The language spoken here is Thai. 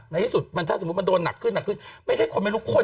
ในที่สุดมันถ้าสมมุติมันโดนหนักขึ้นหนักขึ้นไม่ใช่คนไม่รู้คน